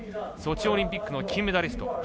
ソチオリンピックの金メダリスト。